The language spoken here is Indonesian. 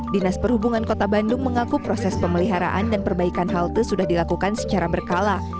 dinas perhubungan kota bandung mengaku proses pemeliharaan dan perbaikan halte sudah dilakukan secara berkala